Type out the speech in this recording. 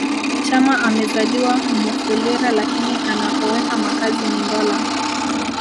Chama amezaliwa Mufulira lakini anakoweka makazi ni Ndola